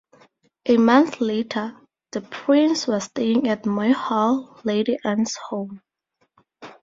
A month later the Prince was staying at Moy Hall, Lady Anne's home.